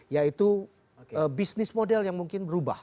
yaitu bisnis model yang mungkin berubah